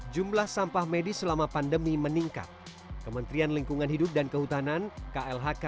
jumlah sampah medis selama pandemi meningkat kementerian lingkungan hidup dan kehutanan klhk